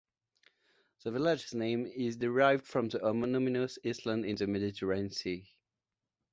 The village's name is derived from the homonymous island in the Mediterranean Sea.